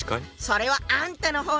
それはあんたの方ね。